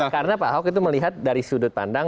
karena pak hock itu melihat dari sudut pandang